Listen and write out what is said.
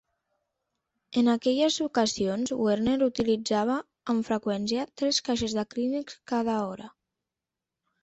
En aquelles ocasions, Werner utilitzava, amb freqüència, tres caixes de Kleenex cada hora.